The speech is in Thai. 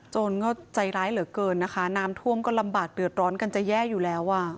จนก็ใจร้ายเหลือเกินนะคะน้ำท่วมก็ลำบากเดือดร้อนกันจะแย่อยู่แล้วอ่ะ